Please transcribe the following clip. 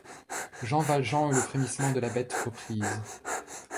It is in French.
Jean Valjean eut le frémissement de la bête reprise.